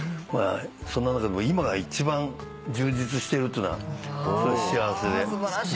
そんな中でも今が一番充実してるっていうのが幸せで。